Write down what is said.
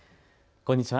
こんにちは。